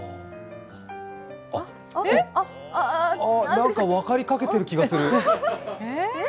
何か分かりかけてる気がする。